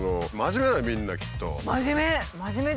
真面目！